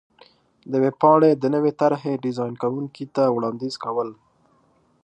-د ویبپاڼې د نوې طر حې ډېزان کوونکي ته وړاندیز کو ل